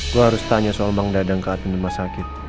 gue harus tanya soal mangdadang keatmen rumah sakit